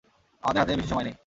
আমাদের হাতে বেশী সময় নেই।